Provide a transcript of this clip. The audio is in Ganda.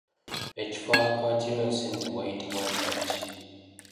Ekifo awakwatirwa enseenene wayitibwa linnya ki?